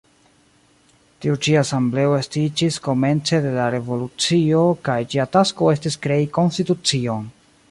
Tiu ĉi asembleo estiĝis komence de la revolucio kaj ĝia tasko estis krei konstitucion.